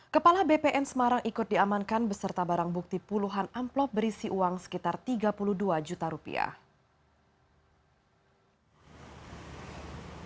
kepala bpn semarang ikut diamankan beserta barang bukti puluhan amplop berisi uang sekitar tiga puluh dua juta rupiah